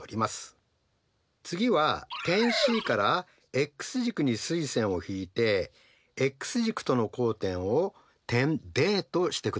次は点Ｃからｘ軸に垂線を引いてｘ軸との交点を点Ｄとしてください。